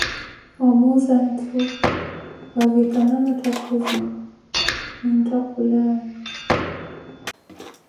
Omuuza ntthu wavikana mattakhuzi ninttakhulaazo.